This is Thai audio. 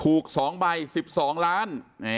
ถูก๒ใบ๑๒ล้าน